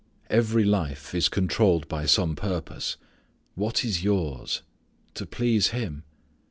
Every life is controlled by some purpose. What is yours? To please Him?